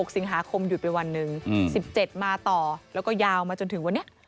สิงหาคมหยุดไปวันหนึ่ง๑๗มาต่อแล้วก็ยาวมาจนถึงวันนี้